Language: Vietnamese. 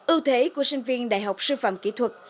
ưu thể của sinh viên đại học sư phẩm kỹ thuật